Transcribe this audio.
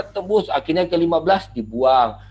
dua puluh lima tembus akhirnya ke lima belas dibuang